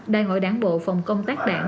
đại hội đảng bộ phòng công tác đảng